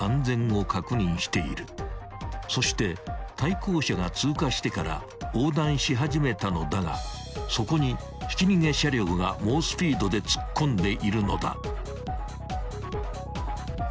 ［そして対向車が通過してから横断し始めたのだがそこにひき逃げ車両が猛スピードで突っ込んでいるのだ］